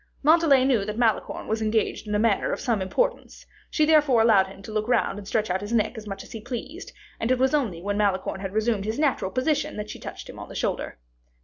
Montalais knew that Malicorne was engaged in a matter of some importance; she therefore allowed him to look and stretch out his neck as much as he pleased; and it was only when Malicorne had resumed his natural position, that she touched him on the shoulder.